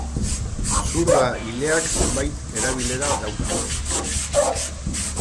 Zurda ileak zenbait erabilera dauka.